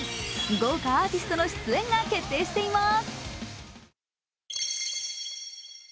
豪華アーティストの出演が決定しています。